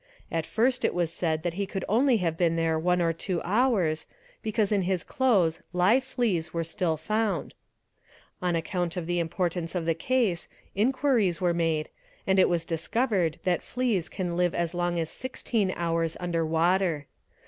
At first it was said that he could only have been there one or .two hours, because in his clothes live fleas were still 4 found "®, On account of the importance of the case inquiries were _ made, and it was discovered that fleas can live as long as 16 hours under ; water.